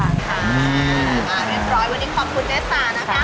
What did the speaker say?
มาเรียบร้อยวันนี้ขอบคุณเจ๊ตานะคะ